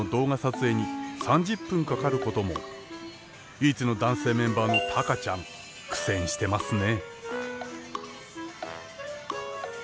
唯一の男性メンバーのたかちゃん苦戦してますね。